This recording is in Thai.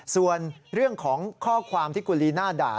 ส่วนเรื่องของข้อความที่คุณลีน่าด่า